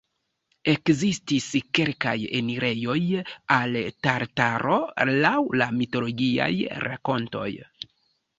Ekzistis kelkaj enirejoj al Tartaro, laŭ la mitologiaj rakontoj.